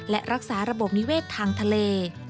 และรักษาระบบนิเวศทางทะเล